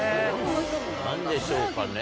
何でしょうかね？